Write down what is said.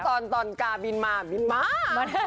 ก็ตอนตอนกาบินมาบินมา